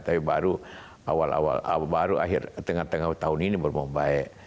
tapi baru awal awal baru akhir tengah tengah tahun ini baru membaik